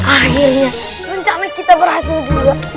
akhirnya rencana kita berhasil juga